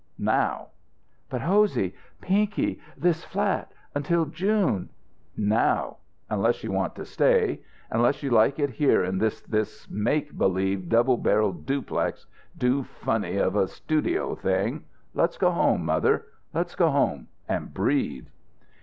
"Now." "But, Hosey! Pinky this flat until June " "Now! Unless you want to stay. Unless you like it here in this this make believe, double barreled, duplex do funny of a studio thing. Let's go home, mother. Let's go home and breathe."